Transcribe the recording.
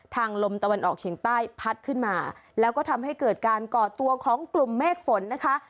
ลมตะวันออกเฉียงใต้พัดขึ้นมาแล้วก็ทำให้เกิดการก่อตัวของกลุ่มเมฆฝนนะคะ